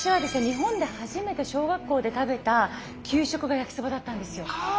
日本で初めて小学校で食べた給食が焼きそばだったんですよ。